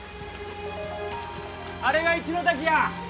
あれが一の滝や。